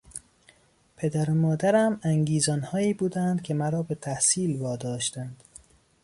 پدر و مادرم انگیزانهایی بودند که مرا به تحصیل وا داشتند.